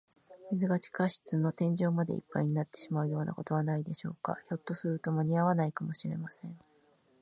水が地下室の天井までいっぱいになってしまうようなことはないでしょうか。ひょっとすると、まにあわないかもしれません。